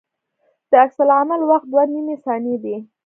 د عکس العمل وخت دوه نیمې ثانیې دی